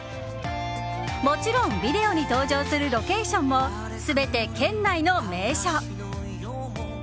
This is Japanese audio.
もちろんビデオに登場するロケーションも全て県内の名所。